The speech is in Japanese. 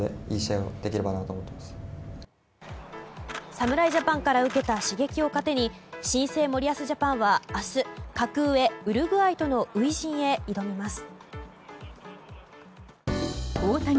侍ジャパンから受けた刺激を糧に新生森保ジャパンは明日、格上ウルグアイとの初陣へ挑みます。